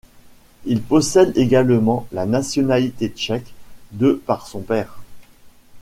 Il possède également la nationalité tchèque de par son père.